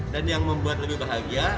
dan yang membuat lebih bahagia